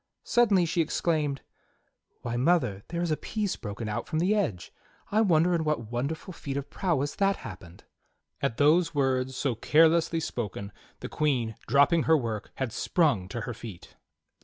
Suddenly she exclaimed: "Wliy mother, there is a piece broken out from the edge! I wonder in what wonderful feat of prowess that happened!" At those words, so carelessly spoken, the Queen, dropping her work, had sprung to her feet.